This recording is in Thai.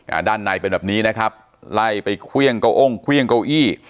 อ่าด้านในเป็นแบบนี้นะครับไล่ไปเครื่องเก้าอ้งเครื่องเก้าอี้